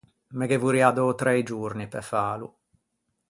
Me ghe vorrià dötrei giorni pe fâlo.